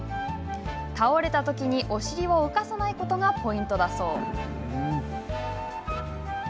倒れたときにお尻を浮かさないことがポイントだそう。